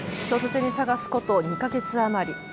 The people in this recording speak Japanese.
人づてに探すこと、２か月余り。